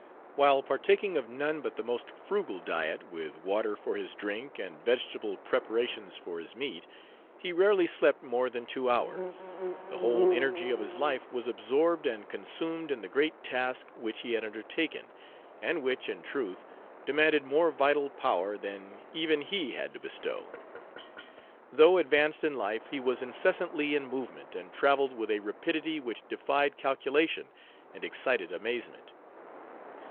While partaking of none but the most frugal diet, with water for his drink, and vegetable preparations for his meat, he rarely slept more than two hours. The whole energy of his life Page 130 was absorbed and consumed in the great task which he had undertaken, and which, in truth, demanded more vital power than even he had to bestow. Though advanced in life, he was incessantly in movement, and travelled with a rapidity which defied calculation and excited amazement.